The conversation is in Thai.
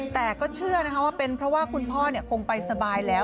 แต่ก็เชื่อนะคะว่าเป็นเพราะว่าคุณพ่อคงไปสบายแล้ว